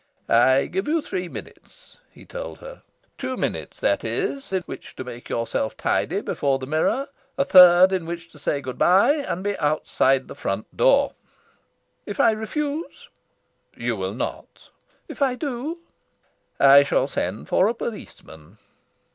"I give you three minutes," he told her. "Two minutes, that is, in which to make yourself tidy before the mirror. A third in which to say good bye and be outside the front door." "If I refuse?" "You will not." "If I do?" "I shall send for a policeman."